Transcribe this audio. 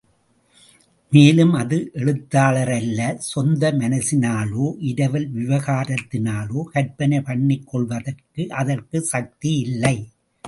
மேலும் அது எழுத்தாளர் அல்ல சொந்த மனசினாலோ, இரவல் விவகாரத்தினாலோ கற்பனை பண்ணிக் கொள்வதற்கு அதற்குச் சக்தி இல்லை.